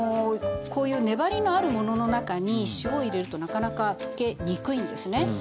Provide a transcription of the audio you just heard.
こういう粘りのあるものの中に塩を入れるとなかなか溶けにくいんですね。